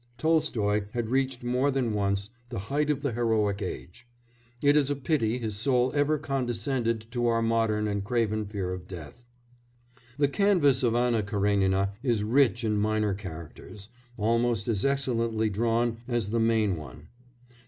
Tolstoy had reached, more than once, the height of the heroic age. It is a pity his soul ever condescended to our modern and craven fear of death. The canvas of Anna Karénina is rich in minor characters, almost as excellently drawn as the main one.